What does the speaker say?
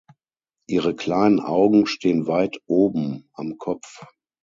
Ihre kleinen Augen stehen weit oben am Kopf.